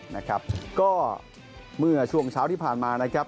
นะครับก็เมื่อช่วงเช้าที่ผ่านมานะครับ